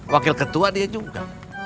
wakil ketua dia juga